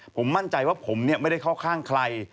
ผมมั่นใจว่าผมไม่ได้เข้าข้างใคร